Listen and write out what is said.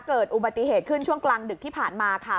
เกิดอุบัติเหตุขึ้นช่วงกลางดึกที่ผ่านมาค่ะ